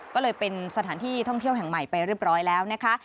ก็เลยเป็นสถานที่ท่องเที่ยวแห่งใหม่ไปเรียบร้อยแล้วนะคะ